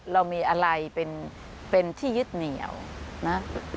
เรามีอะไรเป็นที่ยึดเหนียวนะ